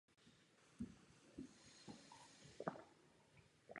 Téměř ve všech zemích Evropy a Ameriky vstupuje třídní boj do občanské války.